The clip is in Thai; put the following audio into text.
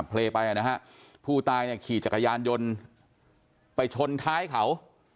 เลไปนะฮะผู้ตายเนี่ยขี่จักรยานยนต์ไปชนท้ายเขา